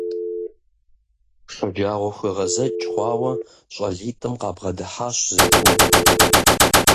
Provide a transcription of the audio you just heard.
ШэджагъуэхуегъэзэкӀ хъуауэ щӀалитӀым къабгъэдыхьащ зы шу.